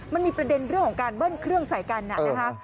มันมีประเด็นเรื่องของการเบิ้ลเครื่องใส่กันนะคะ